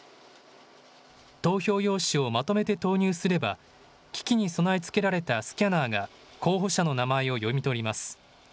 投票用紙をまとめて投入すれば機器に備え付けられたスキャナーが候補者の名前を読み取ります。